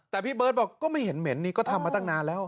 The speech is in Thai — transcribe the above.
แต่พี่เบิร์ตบอกก็ไม่เห็นเหม็นนี่ก็ทำมาตั้งนานแล้ว